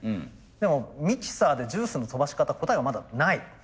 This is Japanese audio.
でもミキサーでジュースの飛ばし方答えはまだない。